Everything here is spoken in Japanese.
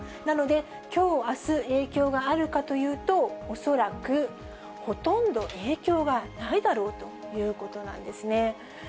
なので、きょうあす、影響があるかというと、恐らくほとんど影響がないだろうということなんですね。